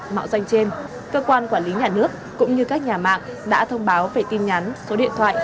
mạo danh trên cơ quan quản lý nhà nước cũng như các nhà mạng đã thông báo về tin nhắn số điện thoại